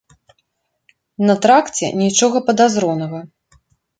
На тракце нічога падазронага.